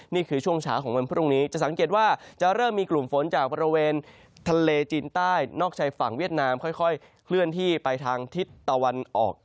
นี่คือช่วงเช้าของวันพรุ่งนี้จะสังเกตว่าจะเริ่มมีกลุ่มฝนจากบริเวณทะเลจีนใต้นอกชายฝั่งเวียดนามค่อยเคลื่อนที่ไปทางทิศตะวันออก